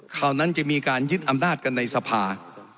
ข่าวนั้นจะมีการยึดอำนาจกันในสภา